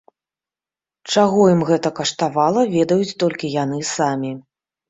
Чаго ім гэта каштавала, ведаюць толькі яны самі.